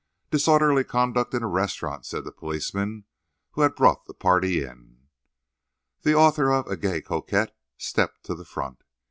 "Disorderly conduct in a restaurant," said the policeman who had brought the party in. The author of "A Gay Coquette" stepped to the front.